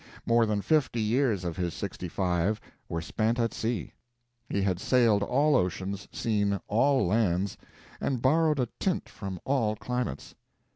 More than fifty years of his sixty five were spent at sea. He had sailed all oceans, seen all lands, and borrowed a tint from all climates.